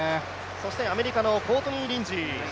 そしてアメリカのコートニー・リンジー。